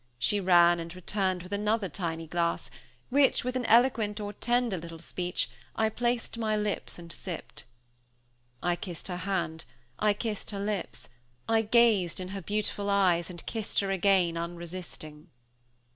She ran and returned with another tiny glass, which, with an eloquent or tender little speech, I placed to my lips and sipped. I kissed her hand, I kissed her lips, I gazed in her beautiful eyes, and kissed her again unresisting.